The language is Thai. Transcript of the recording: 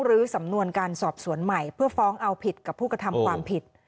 หรือสำนวนการสอบสวนใหม่เพื่อฟ้องเอาผิดกับผู้กระทำความผิด